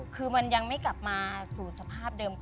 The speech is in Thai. คือมันยังไม่กลับมาสู่สภาพเดิม